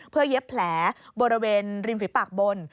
เพื่อเย็บแผลบริเวณริมฝีปากบน